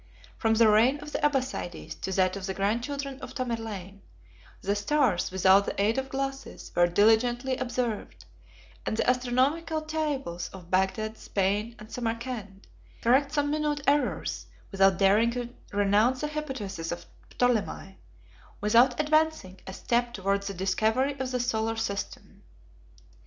61 From the reign of the Abbassides to that of the grandchildren of Tamerlane, the stars, without the aid of glasses, were diligently observed; and the astronomical tables of Bagdad, Spain, and Samarcand, 62 correct some minute errors, without daring to renounce the hypothesis of Ptolemy, without advancing a step towards the discovery of the solar system.